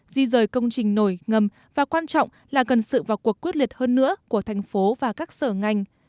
di rời công trình nổi ngầm và quan trọng là cần sự vào cuộc quyết liệt hơn nữa của thành phố và các sở ngành